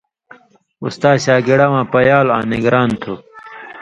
استا شاگڑہ واں پیالوۡ آں نگران تُھو